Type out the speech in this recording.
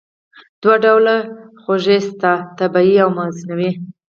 دوه ډوله خوږې شته: طبیعي او مصنوعي.